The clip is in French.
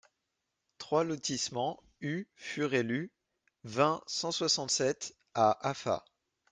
trois lotissement U Furellu, vingt, cent soixante-sept à Afa